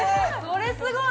それすごい！